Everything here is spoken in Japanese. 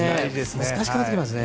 難しくなってきますね。